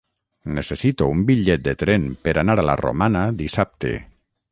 Necessito un bitllet de tren per anar a la Romana dissabte.